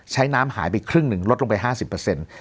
น้ำหายไปครึ่งหนึ่งลดลงไป๕๐เปอร์เซ็นต์